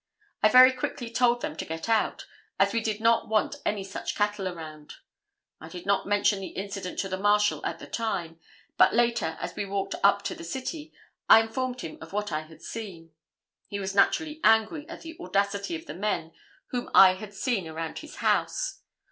I very quickly told them to get out, as we did not want any such cattle around. I did not mention the incident to the Marshal at the time, but later, as we walked up to the city, I informed him of what I had seen. He was naturally angry at the audacity of the men whom I had seen around his house.